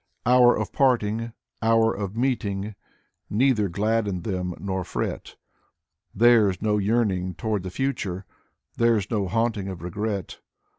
Hour of parting, hour of meeting. Neither gladden them, nor fret; Theirs no yearning toward the future. Theirs no haunting of regret.